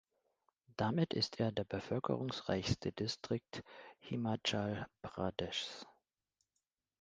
Damit ist er der bevölkerungsreichste Distrikt Himachal Pradeshs.